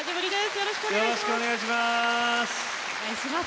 よろしくお願いします。